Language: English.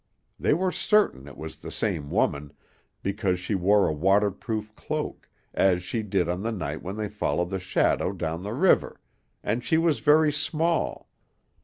They were certain it was the same woman, because she wore a waterproof cloak, as she did on the night when they followed the shadow down the river, and she was very small.